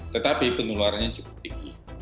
tetapi penularannya cukup tinggi